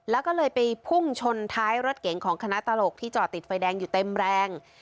แล้วก็เลยไปพุ่งชนท้ายรถเก๋งของคณะตลกที่จอดติดไฟแดงอยู่เต็มแรง